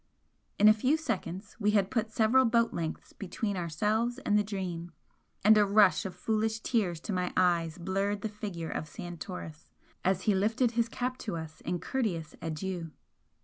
In a few seconds we had put several boat lengths between ourselves and the 'Dream,' and a rush of foolish tears to my eyes blurred the figure of Santoris as he lifted his cap to us in courteous adieu.